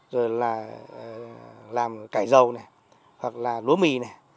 rồi là làm cải râu hoặc là lúa mì